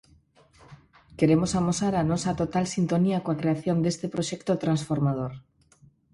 Queremos amosar a nosa total sintonía coa creación deste proxecto transformador.